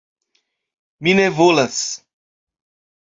Mi ne volas.